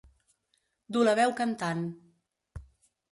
Dur la veu cantant.